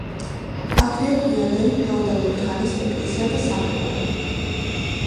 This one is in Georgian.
აქვეა გვიანდელი ფეოდალური ხანის ეკლესია და სამრეკლო.